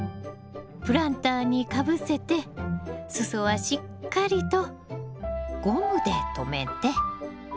プランターにかぶせて裾はしっかりとゴムで留めて。